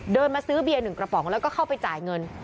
มาซื้อเบียร์๑กระป๋องแล้วก็เข้าไปจ่ายเงิน